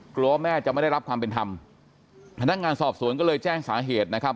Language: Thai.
กลัวแม่จะไม่ได้รับความเป็นธรรมพนักงานสอบสวนก็เลยแจ้งสาเหตุนะครับ